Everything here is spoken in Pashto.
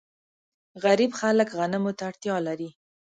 غریب خلک غنمو ته اړتیا لري.